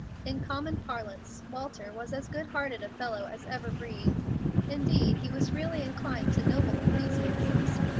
In common parlance, Walter was as good hearted a fellow as ever breathed. Indeed, he was really inclined to noble enthusiasms.